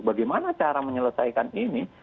bagaimana cara menyelesaikan ini